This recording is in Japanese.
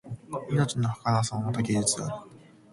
命のはかなさもまた芸術である